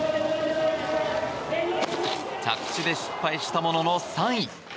着地で失敗したものの、３位。